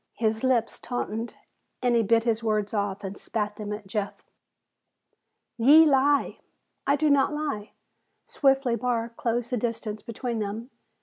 His lips tautened, and he bit his words off and spat them at Jeff. "Ye lie!" "I do not lie!" Swiftly Barr closed the distance between them.